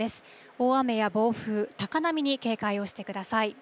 大雨や暴風、高波に警戒をしてください。